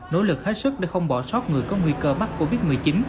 nỗ lực hết sức để không bỏ sót người có nguy cơ mắc covid một mươi chín